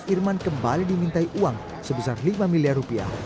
irman kembali dimintai uang sebesar lima miliar rupiah